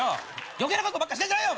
余計なことばっかしてんじゃねえよ！